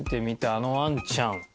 あのワンちゃん！